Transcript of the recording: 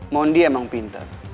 mondi emang pintar